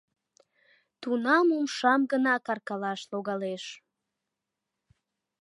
Тунам умшам гына каркалаш логалеш.